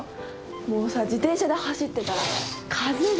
もうさ自転車で走ってたら風が。